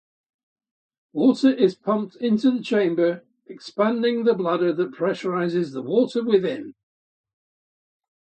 Water is pumped into the chamber, expanding the bladder that pressurizes the water within.